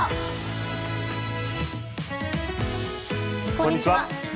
こんにちは。